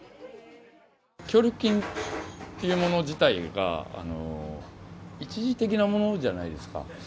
協力金というもの自体が一時的なものじゃないですか。